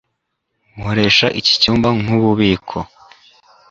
Nkoresha iki cyumba nkububiko.